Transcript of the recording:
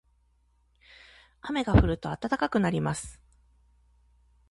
雨が降ると暖かくなります。